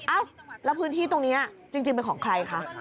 เอ้าแล้วพื้นที่ตรงนี้จริงเป็นของใครคะ